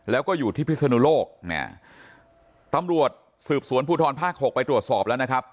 แล้วก็อยู่ที่พิศนุโลกเนี่ยตำรวจสืบสวนภูทรภาค๖ไปตรวจสอบแล้วนะครับ